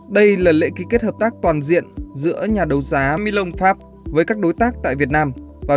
đây là lễ ký kết hợp tác toàn diện giữa nhà đấu giá milan fab với các đối tác tại việt nam